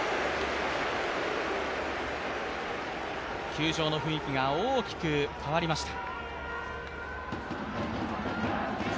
球場の雰囲気が大きく変わりました。